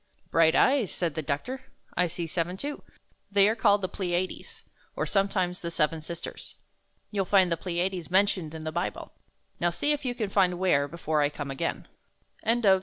12 "Bright eyes!" said the doctor. "I see seven, too. They are called the Ple' ia des, or sometimes the Seven Sisters. You'll find the Pleiades mentioned in the Bible. Now, see if you can find where before I come again." 13 IV.